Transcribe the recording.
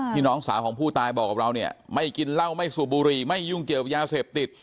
น้องสาวของผู้ตายบอกกับเราเนี่ยไม่กินเหล้าไม่สูบบุหรี่ไม่ยุ่งเกี่ยวกับยาเสพติด